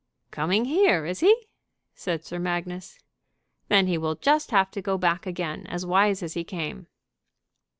"Coming here, is he?" said Sir Magnus. "Then he will just have to go back again as wise as he came."